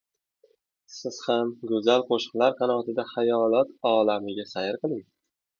Siz ham goʻzal qoʻshiqlar qanotida xayolot olamiga sayr qiling.